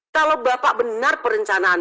kalau bapak benar perencanaan